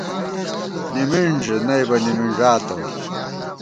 نمنݮ نئیبہ نِمنݮاتہ